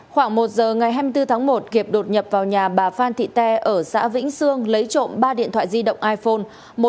khoảng một giờ ngày hai mươi bốn tháng một kiệt đột nhập vào nhà bà phan thị tê ở xã vĩnh sương lấy trộm ba điện thoại di động iphone